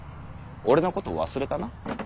俺のことを忘れたな？